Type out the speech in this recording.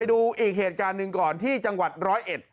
ดูอีกเหตุการณ์หนึ่งก่อนที่จังหวัดร้อยเอ็ด